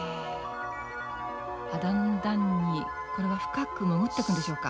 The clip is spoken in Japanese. だんだんにこれは深く潜っていくんでしょうか？